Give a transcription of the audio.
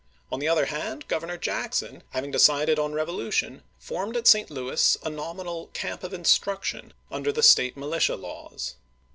On the other hand Governor Jackson, having decided on revo lution, formed at St. Louis a nominal camp of in struction under the State militia laws.